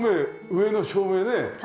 上の照明ね。